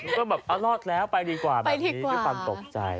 ก็แบบอ้าวรอดแล้วไปดีกว่าแบบนี้ที่ฟังตกใจ